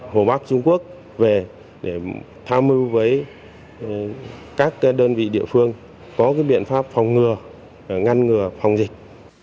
hồ bắc trung quốc về để tham mưu với các đơn vị địa phương có biện pháp phòng ngừa ngăn ngừa phòng dịch